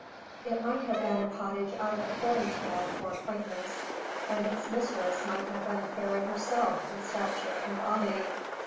It might have been a cottage out of a fairy tale for quaintness; and its mistress might have been a fairy herself in stature and oddity.